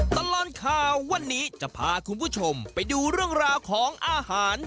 ตลอดข่าววันนี้จะพาคุณผู้ชมไปดูเรื่องราวของอาหาร